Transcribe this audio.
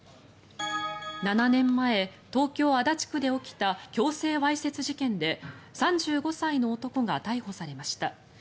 ７年前、東京・足立区で起きた強制わいせつ事件で３５歳の男が逮捕されました。